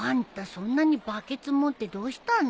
そんなにバケツ持ってどうしたの？